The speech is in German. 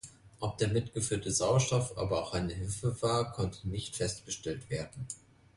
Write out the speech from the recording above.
Ob der mitgeführte Sauerstoff aber auch eine Hilfe war, konnte nicht festgestellt werden.